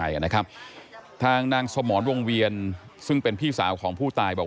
นะครับทางนางสมรวงเวียนซึ่งเป็นพี่สาวของผู้ตายบอก